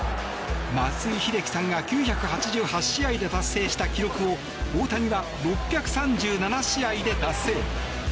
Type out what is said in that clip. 松井秀喜さんが９８８試合で達成した記録を大谷は６３７試合で達成。